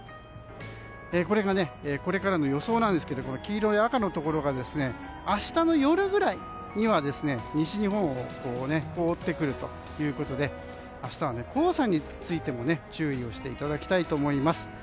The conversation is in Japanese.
これが、これからの予想ですが黄色や赤のところが明日の夜ぐらいには西日本を覆ってくるということで明日は黄砂についても注意をしていただきたいと思います。